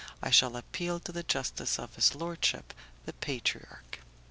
I shall appeal to the justice of his lordship the patriarch."